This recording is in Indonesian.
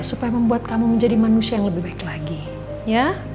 supaya membuat kamu menjadi manusia yang lebih baik lagi ya